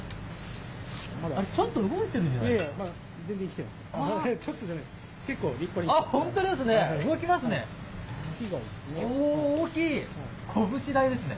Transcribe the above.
ちょっと動いてるんじゃないですか？